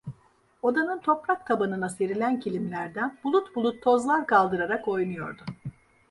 Odanın toprak tabanına serilen kilimlerden bulut bulut tozlar kaldırarak oynuyordu.